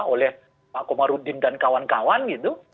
oleh pak komarudin dan kawan kawan gitu